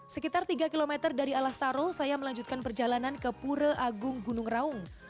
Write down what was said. sekitar tiga km dari alas taro saya melanjutkan perjalanan ke pura agung gunung raung